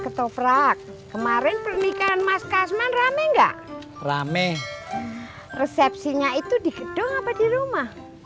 ketoprak kemarin pernikahan mas kasman rame enggak rame resepsinya itu di gedung apa di rumah